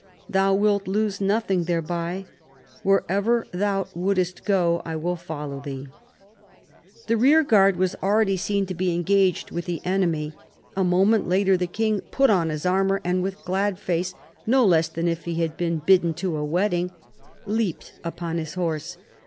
Thou wilt lose nothing thereby. Wherever Thou wouldest go I will follow Thee." The rear guard was already seen to be engaged with 102 PHILIP AUGUSTUS chap. the enemy. A moment later the king put on his armour, and with glad face "no less than if he had been bidden to a wedding" leapt upon his horse.